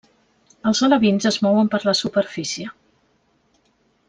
Els alevins es mouen per la superfície.